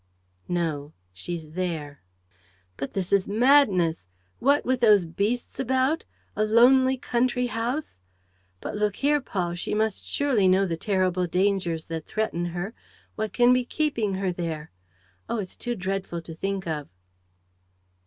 "No, she's there." "But this is madness! What, with those beasts about! A lonely country house! ... But look here, Paul, she must surely know the terrible dangers that threaten her! ... What can be keeping her there? Oh, it's too dreadful to think of.